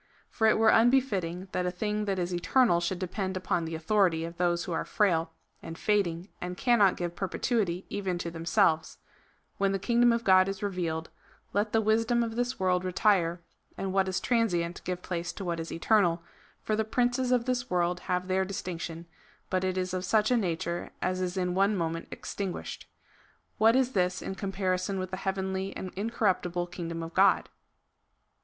For it were unbefttting, that a thing that is eternal should depend upon the authority of those who are frail, and fading, and cannot give perpetuity even to themselves :" When the kingdom of God is revealed, let the wisdom of this world retire, and what is transient give place to what is eternal ; for the princes of this Avorld have their distinction, but it is of such a nature as is in one moment extinguished. What is this in comparison with the heavenly and incorruptible kingdom of God?"